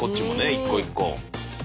一個一個。